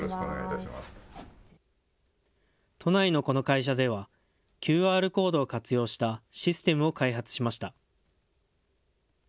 都内のこの会社ではＱＲコードを活用したシステムを開発しました。